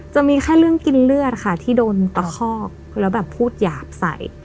จะมีแค่เรื่องกินเลือดค่ะที่โดนตะคอกแล้วแบบพูดหยาบใส่